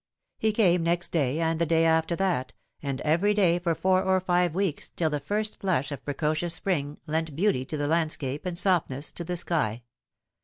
He came next day, and the day after that, and every day for four or five weeks, till the first flush of precocious spring lent beauty to the landscape and softness to the sky.